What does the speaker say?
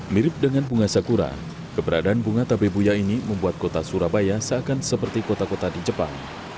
mirip dengan bunga sakura keberadaan bunga tabebuya ini membuat kota surabaya seakan seperti kota kota di jepang